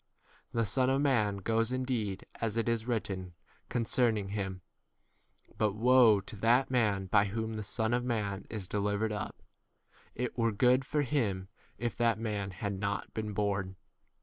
The Son of man goes indeed as it is written concerning him, but woe to that man by whom the Son of man is delivered up : it were good for him if that 22 man had not been born.